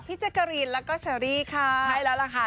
แจ๊กกะรีนแล้วก็เชอรี่ค่ะใช่แล้วล่ะค่ะ